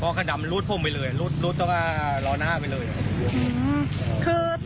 เพราะดำรุดลบผ่มไปเลยรุดแล้วก็รอหน้าไปเลย